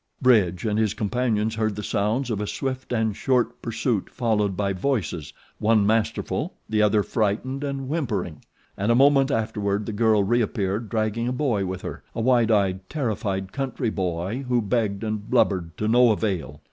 Bridge and his companions heard the sounds of a swift and short pursuit followed by voices, one masterful, the other frightened and whimpering; and a moment afterward the girl reappeared dragging a boy with her a wide eyed, terrified, country boy who begged and blubbered to no avail.